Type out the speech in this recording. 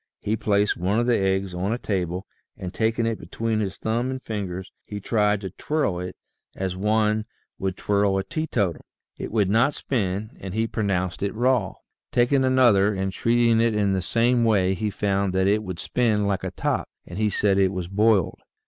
He placed one of the eggs on a table and taking it between his thumb and fingers he tried to twirl it as one would twirl a teetotum. It would not spin and v * pro nounced it raw. Taking another and treating it in the same 174 THE SEVEN FOLLIES OF SCIENCE way he found that it would spin like a top and he said it was boiled.